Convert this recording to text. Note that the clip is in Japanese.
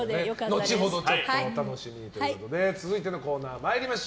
後ほど、お楽しみにということで続いてのコーナー。